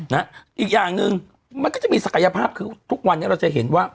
อีกอย่างหนึ่งมันก็จะมีศักยภาพคือทุกวันนี้เราจะเห็นว่า